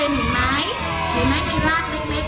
เห็นไหมมีรากเล็กมากกว่า